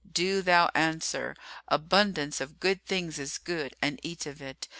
Do thou answer, 'Abundance of good things is good'; and eat of it.